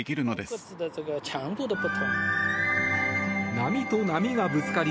波と波がぶつかり